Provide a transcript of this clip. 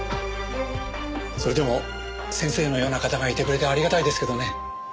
それでも先生のような方がいてくれてありがたいですけどね。